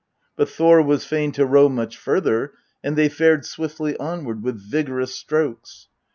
But Thor was fain to row much further, and they fared swiftly onward with vigorous strokes.